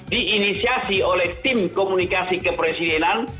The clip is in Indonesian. di inisiasi oleh tim komunikasi kepresidenan